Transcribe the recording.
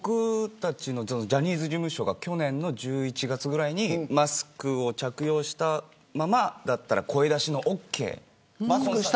ジャニーズ事務所が去年の１１月ぐらいにマスクを着用したままなら声出しがオーケー。